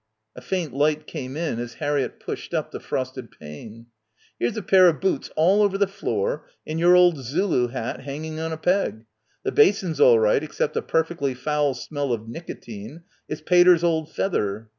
A faint light came in as Harriett pushed up the frosted pane. "Here's a pair of boots all over the floor and your old Zulu hat hanging on a peg. The basin's all right except a perfectly foul smell of nicotine. It's pater's old feather."